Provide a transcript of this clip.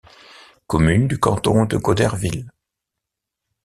Commune du canton de Goderville.